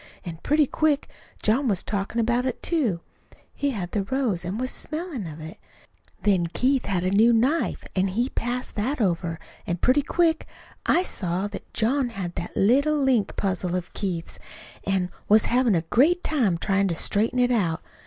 An' pretty quick John was talkin' about it, too. He had the rose an' was smellin' of it. Then Keith had a new knife, an' he passed that over, an' pretty quick I saw that John had that little link puzzle of Keith's, an' was havin' a great time tryin' to straighten it out.